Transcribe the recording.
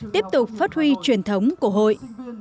tiếp tục phát huy truyền thống của hội